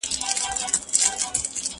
هغه وويل چي کتابتون کار مهم دي،